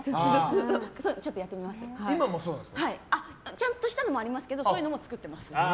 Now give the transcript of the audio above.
ちゃんとしたのもありますけどこういうのも作ってます。